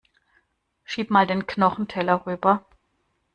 Schieb mal den Knochenteller rüber.